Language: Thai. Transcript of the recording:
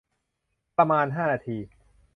ประมาณ ห้า นาที